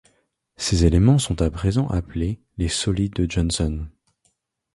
Ses éléments sont à présent appelés les solides de Johnson.